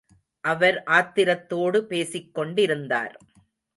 அவர் ஆத்திரத்தோடு பேசிக்கொண்டிருந்தார்.